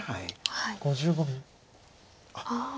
５５秒。